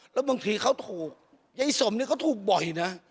แล้วบางทีเขาถูกยายสมนี่เขาถูกบ่อยนะ